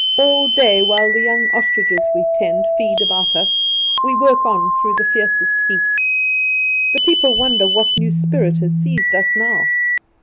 All day, while the young ostriches we tend feed about us, we work on through the fiercest heat. The people wonder what new spirit has seized us now.